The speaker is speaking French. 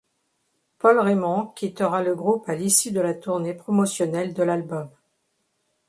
Paul Raymond quittera le groupe à l'issue de la tournée promotionnelle de l'album.